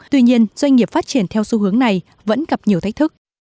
tuy nhiên doanh nghiệp phát triển theo xu hướng này vẫn gặp nhiều thách thức